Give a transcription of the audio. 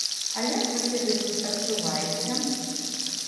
А як вы сябе тут адчуваеце?